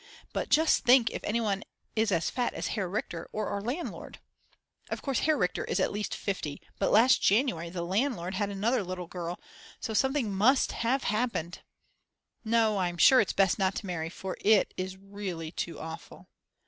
But just think if anyone is as fat as Herr Richter or our landlord. Of course Herr Richter is at least 50, but last January the landlord had another little girl, so something must have happened. No, I'm sure it's best not to marry, for it is really too awful.